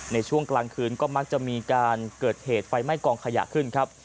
ในช่วงกลางคืนก็มักจะมีการเกิดเหตุไฟไหม้กองขยะขึ้นครับ